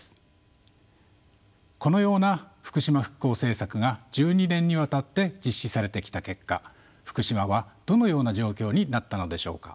このような福島復興政策が１２年にわたって実施されてきた結果福島はどのような状況になったのでしょうか？